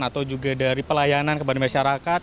atau juga dari pelayanan kepada masyarakat